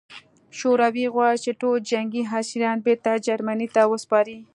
شوروي غواړي چې ټول جنګي اسیران بېرته جرمني ته وسپاري